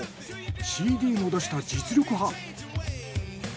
ＣＤも出した実力派。